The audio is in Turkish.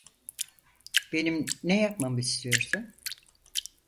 Benim ne yapmamı istiyorsun?